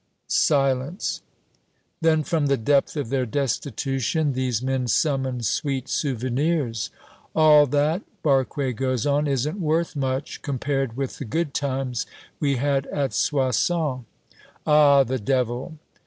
Silence. Then from the depth of their destitution, these men summon sweet souvenirs "All that," Barque goes on, "isn't worth much, compared with the good times we had at Soissons." "Ah, the Devil!"